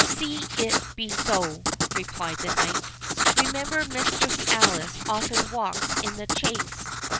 "See it be so," replied the knight; "remember Mistress Alice often walks in the Chase.